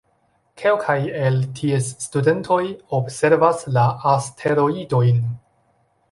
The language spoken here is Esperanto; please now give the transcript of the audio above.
Kelkaj el ties studentoj observas la asteroidojn.